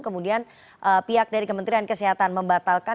kemudian pihak dari kementerian kesehatan membatalkan